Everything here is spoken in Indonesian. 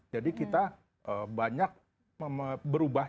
jadi kita banyak berubah